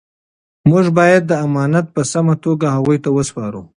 موږ باید دا امانت په سمه توګه هغوی ته وسپارو.